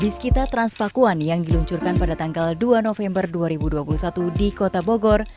biskita transpakuan yang diluncurkan pada tanggal dua november dua ribu dua puluh satu di kota bogor